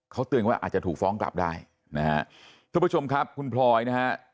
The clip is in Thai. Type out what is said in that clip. เขาเตือนว่าอาจจะถูกฟ้องกลับได้นะฮะทุกผู้ชมครับคุณพลอยนะฮะ